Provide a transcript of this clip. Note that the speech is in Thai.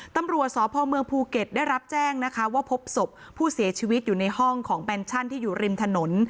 ตำรวจสพเมืองภูเก็ตได้รับแจ้งนะคะว่าพบศพผู้เสียชีวิตอยู่ในห้องของแมนชั่นที่อยู่ริมถนน